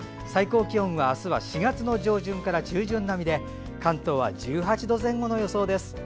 最高気温、あすは４月の上旬から中旬並みで関東は１８度前後の予想です。